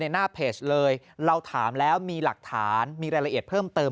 หน้าเพจเลยเราถามแล้วมีหลักฐานมีรายละเอียดเพิ่มเติม